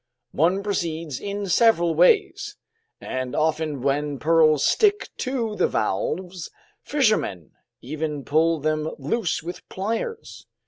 "One proceeds in several ways, and often when pearls stick to the valves, fishermen even pull them loose with pliers.